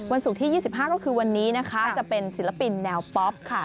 ศุกร์ที่๒๕ก็คือวันนี้นะคะจะเป็นศิลปินแนวป๊อปค่ะ